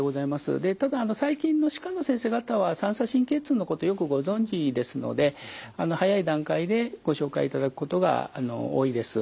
でただ最近の歯科の先生方は三叉神経痛のことをよくご存じですので早い段階でご紹介いただくことが多いです。